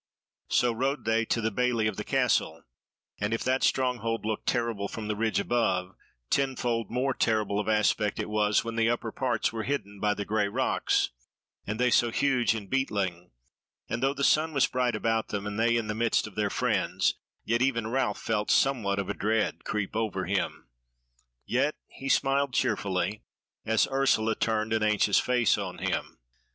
So rode they to the bailly of the Castle; and if that stronghold looked terrible from the ridge above, tenfold more terrible of aspect it was when the upper parts were hidden by the grey rocks, and they so huge and beetling, and though the sun was bright about them, and they in the midst of their friends, yet even Ralph felt somewhat of dread creep over him: yet he smiled cheerfully as Ursula turned an anxious face on him.